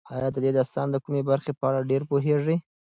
ایا ته د دې داستان د کومې برخې په اړه ډېر پوهېږې؟